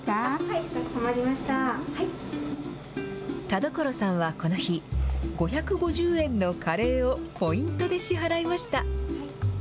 田所さんはこの日、５５０円のカレーをポイントで支払いました。